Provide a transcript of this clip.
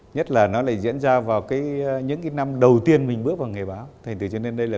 nhất là nó lại diễn ra vào những cái năm đầu tiên mình bước vào ngày báo thành từ cho nên đây là